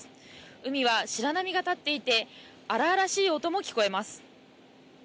海は白波が立っていて荒々しい音も聞こえます。